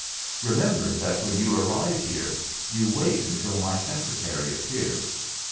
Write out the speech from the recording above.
Remember that when you arrive here you wait until my Secretary appears.